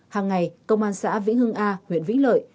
hàng ngày công an xã vĩnh hưng a huyện vĩnh lợi